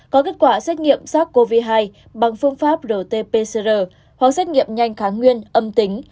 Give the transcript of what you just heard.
có kết quả xét nghiệm sars cov hai bằng phương pháp rt pcr hoặc xét nghiệm nhanh kháng nguyên âm tính